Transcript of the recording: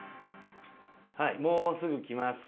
はいもうすぐ来ます。